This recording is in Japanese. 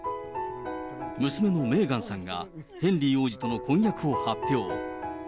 娘のメーガンさんがヘンリー王子との婚約を発表。